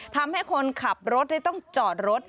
ทำให้คนขับรถต้องจอดรถ